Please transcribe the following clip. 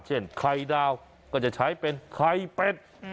เช่นไอเด้าก็จะใช้เป็นไอเป็น